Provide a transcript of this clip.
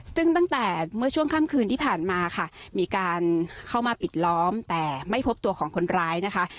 ซึ่งตั้งแต่เมื่อช่วงค่ำคืนที่ผ่านมาค่ะมีการเข้ามาปิดล้อมแต่ไม่พบตัวของคนร้ายนะคะ